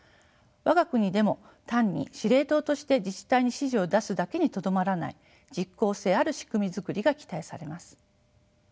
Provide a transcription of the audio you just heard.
我が国でも単に司令塔として自治体に指示を出すだけにとどまらない実効性ある仕組みづくりが期待されます。